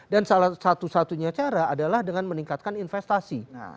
dan salah satu satunya cara adalah dengan meningkatkan investasi